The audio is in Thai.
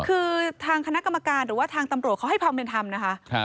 คือทางคณะกรรมการหรือว่าทางตำรวจเขาให้พร้อมเป็นทำ